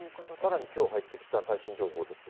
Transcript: さらにきょう入ってきた最新情報ですが。